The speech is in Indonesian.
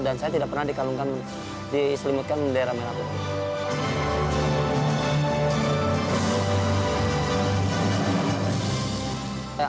dan saya tidak pernah diselimutkan bendera merah putih